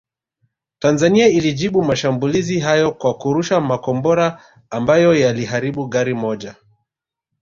Tanzania ilijibu mashambulizi hayo kwa kurusha makombora ambayo yaliharibu gari moja